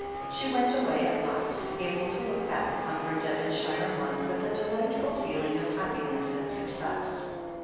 She went away at last, able to look back upon her Devonshire month with a delightful feeling of happi ness and success.